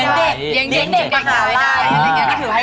เย็นเด็กมาหาไว้ได้